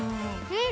うん！